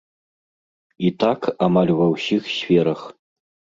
І так амаль ва ўсіх сферах.